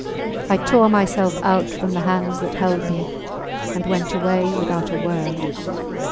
... I tore myself out from the hands that held me and went away without a word